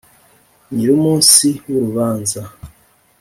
nyir’umunsi w’urubanza.